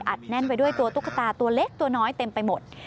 แน่นไปด้วยตัวตุ๊กตาตัวเล็กตัวน้อยเต็มไปหมด